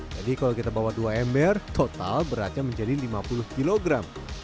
jadi kalau kita bawa dua ember total beratnya menjadi lima puluh kilogram